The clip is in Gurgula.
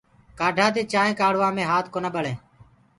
ڪآڍآ دي چآنٚينٚ ڪآڙهوآ مي هآت ڪونآ ٻݪینٚ۔